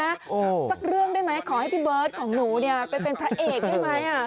สักเรื่องได้ไหมขอให้พี่เบิร์ตของหนูเนี่ยไปเป็นพระเอกได้ไหมอ่ะ